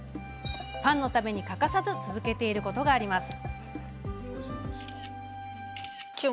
ファンのために欠かさず続けていることがあります。